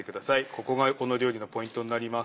ここがこの料理のポイントになります。